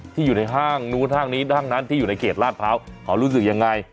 อยู่ในห้างนู้นห้างนี้ห้างนั้นที่อยู่ในเขตลาดพร้าวเขารู้สึกยังไง